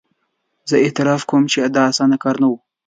زه اعتراف کوم چې دا اسانه کار نه وو.